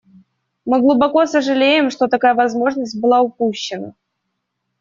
Мы глубоко сожалеем, что такая возможность была упущена.